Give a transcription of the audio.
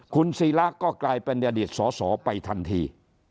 คุณศิราก็กลายเป็นอดีตสอสอไปทันที